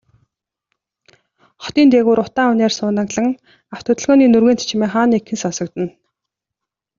Хотын дээгүүр утаа униар суунаглан, авто хөдөлгөөний нүргээнт чимээ хаа нэгхэн сонсогдоно.